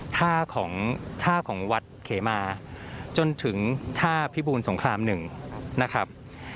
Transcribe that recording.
ท่าของวัดเขมาจนถึงท่าพิบูลสงครามหนึ่งนะครับ